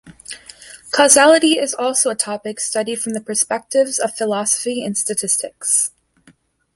Causality is also a topic studied from the perspectives of philosophy and statistics.